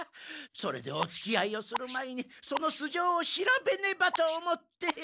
それでおつきあいをする前にそのすじょうを調べねばと思って。